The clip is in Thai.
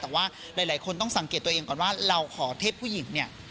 แต่ว่าหลายคนต้องสังเกตตัวเองก่อนว่าเราขอเทพผู้หญิงเนี่ย